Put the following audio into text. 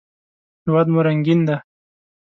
هېواد مو رنګین دی